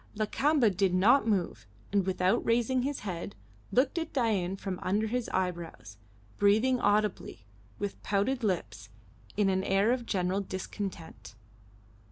Lakamba did not move, and, without raising his head, looked at Dain from under his eyebrows, breathing audibly, with pouted lips, in an air of general discontent.